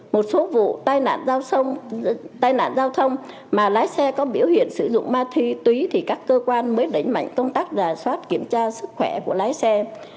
một số vụ tai nạn giao thông mà lái xe có biểu hiện sử dụng ma túy thì các cơ quan mới đánh mạnh công tác rà soát kiểm tra sức khỏe của lái xe